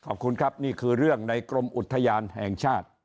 ขอบคุณครับนี่คือเรื่องในกรมอุทยานแห่งชาติ